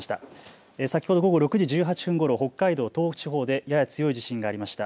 先ほど午後６時１８分ごろ北海道東北地方でやや強い地震がありました。